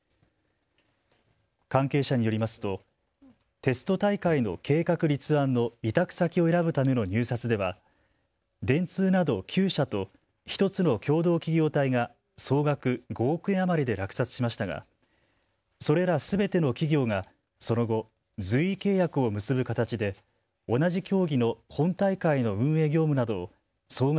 関係者によりますとテスト大会の計画立案の委託先を選ぶための入札では電通など９社と１つの共同企業体が総額５億円余りで落札しましたがそれらすべての企業がその後、随意契約を結ぶ形で同じ競技の本大会の運営業務などを総額